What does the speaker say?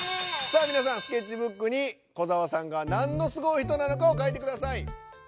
さあみなさんスケッチブックに小澤さんが何のすごい人なのかを書いてください！